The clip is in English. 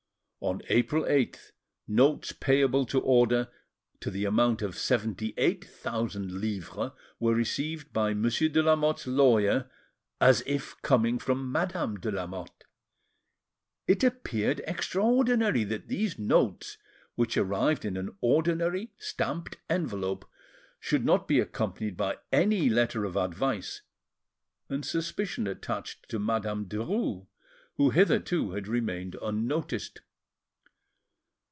On April 8th, notes payable to order to the amount of seventy eight thousand livres, were received by Monsieur de Lamotte's lawyer, as if coming from Madame de Lamotte. It appeared extraordinary that these notes, which arrived in an ordinary stamped envelope, should not be accompanied by any letter of advice, and suspicion attached to Madame Derues, who hitherto had remained unnoticed.